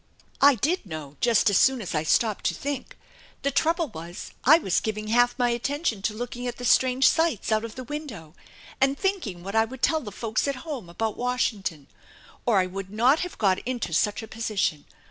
I did know just as soon as I stopped to think. The trouble was I was giving half my attention to looking at the strange sights THE ENCHANTED BARN out of the window and thinking what I would tell the folk* at home about Washington, or I would not have got into such a position.